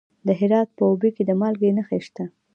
د هرات په اوبې کې د مالګې نښې شته.